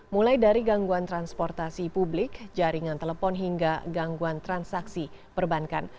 mulai dari gangguan transportasi publik jaringan telepon hingga gangguan transaksi perbankan